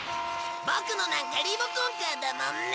ボクのなんかリモコンカーだもんね。